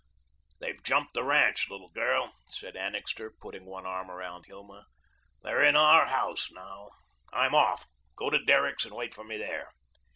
"They've jumped the ranch, little girl," said Annixter, putting one arm around Hilma. "They're in our house now. I'm off. Go to Derrick's and wait for me there."